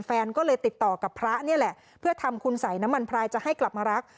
แฟนก็เลยติดต่อกับพระนี่แหละเพื่อทำคุณสัยน้ำมันพรายจะให้กลับมารัก